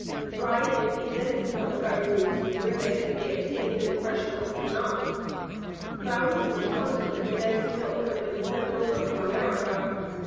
Dried and condensed milk are used where they can be obtained and fresh milk cannot. Thousands of tons of condensed milk have been sent over from America.